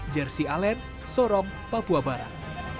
jersi alen sorong papua barat